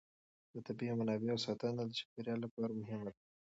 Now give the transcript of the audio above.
د طبیعي منابعو ساتنه د چاپېر یال لپاره مهمه ده.